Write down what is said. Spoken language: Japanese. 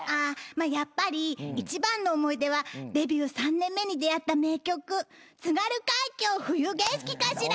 やっぱり一番の思い出はデビュー３年目に出合った名曲『津軽海峡・冬景色』かしら！